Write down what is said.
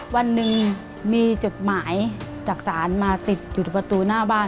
วันหนึ่งมีจดหมายจากศาลมาติดอยู่ตรงประตูหน้าบ้าน